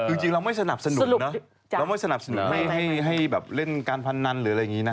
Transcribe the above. คือจริงเราไม่สนับสนุนเนอะเราไม่สนับสนุนไม่ให้แบบเล่นการพนันหรืออะไรอย่างนี้นะ